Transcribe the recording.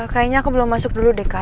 kayaknya aku belum masuk dulu deh kak